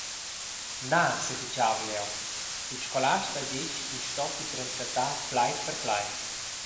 «Na», sefitgavel jeu, «il scolast ha detg ch’ins stoppi translatar plaid per plaid.